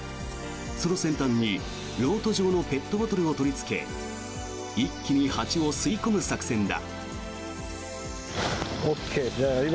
その先端に漏斗状のペットボトルを取りつけ一気に蜂を吸い込む作戦だ。